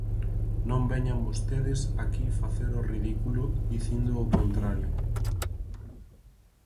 Non veñan vostedes aquí facer o ridículo dicindo o contrario.